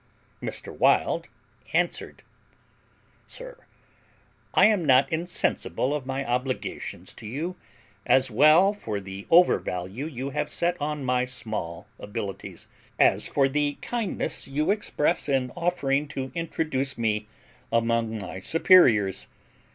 Mr. Wild answered, "Sir, I am not insensible of my obligations to you, as well for the over value you have set on my small abilities, as for the kindness you express in offering to introduce me among my superiors.